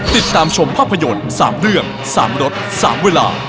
ติดตามชมภาพยนตร์๓เรื่อง๓รถ๓เวลา